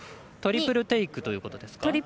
トリプルテイクということですか？